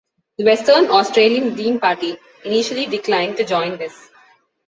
The Western Australian Green Party initially declined to join this.